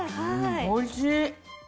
おいしい！